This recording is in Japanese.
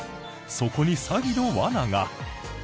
そこに詐欺の罠が。